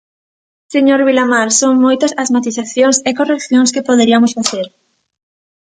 Señor Vilamar, son moitas as matizacións e correccións que poderiamos facer.